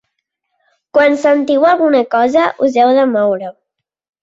Quan sentiu alguna cosa, us heu de moure.